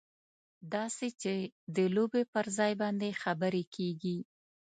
داسې چې د لوبې پر ځای باندې خبرې کېږي.